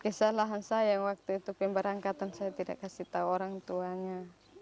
kisah lahan saya waktu itu pemberangkatan saya tidak kasih tahu orang tuanya